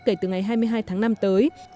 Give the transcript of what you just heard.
kể từ ngày hai mươi hai tháng năm tới